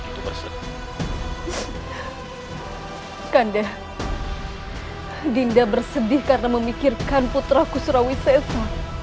kanda dinda bersedih karena memikirkan putra kusrawi seso